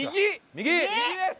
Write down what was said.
右です！